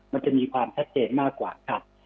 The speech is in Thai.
มันจะมีความชัดเจนมากกว่าครับ